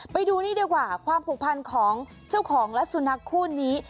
ไปดูนี่ดีกว่าความผูกพันของเจ้าของและสุนัขคู่นี้